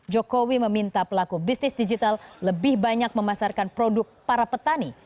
jokowi meminta pelaku bisnis digital lebih banyak memasarkan produk para petani